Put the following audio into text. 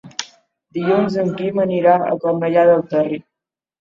Dilluns en Quim anirà a Cornellà del Terri.